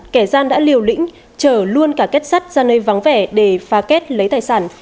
kẻ gian đã liều lĩnh chở luôn cả kết sắt ra nơi vắng vẻ để phá kết lấy tài sản